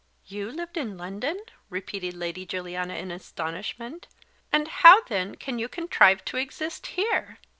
"You lived in London!" repeated Lady Juliana in astonishment. "And how, then, can you contrive to exist here?"